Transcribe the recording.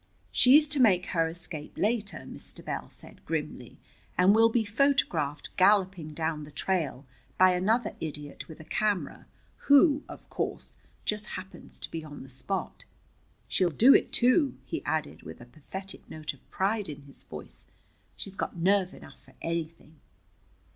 "She's to make her escape later," Mr. Bell said grimly, "and will be photographed galloping down the trail, by another idiot with a camera, who, of course, just happens to be on the spot. She'll do it too," he added with a pathetic note of pride in his voice. "She's got nerve enough for anything."